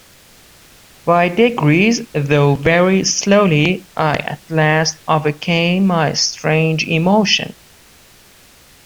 By degrees, though very slowly, I at last overcame my strange emotion.